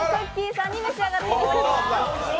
さんに召し上がっていただきます。